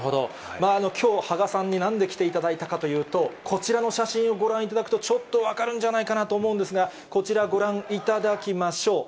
きょう羽賀さんになんで来ていただいたかというと、こちらの写真をご覧いただくとちょっと分かるんじゃないかなと思うんですが、こちら、ご覧いただきましょう。